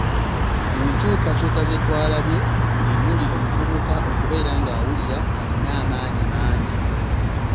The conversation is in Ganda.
Mu nkyukakyuka ze twalabye mwe muli, omuvubuka okubeera ng'awulira alina amaanyi mangi.